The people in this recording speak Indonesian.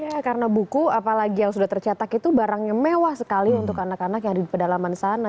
ya karena buku apalagi yang sudah tercetak itu barangnya mewah sekali untuk anak anak yang ada di pedalaman sana